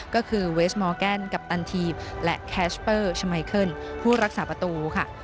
ก็คือเวสมอร์แกนกัปตันทีมและแคชเปอร์ชมัยเคิลผู้รักษาประตูค่ะ